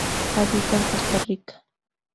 Habita en Costa Rica.